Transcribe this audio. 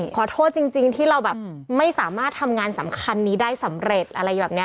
ขอโทษจริงที่เราแบบไม่สามารถทำงานสำคัญนี้ได้สำเร็จอะไรแบบนี้